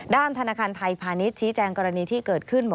ด้านธนาคารไทยพายภานิชชี้แจงกรณีที่เกิดขึ้น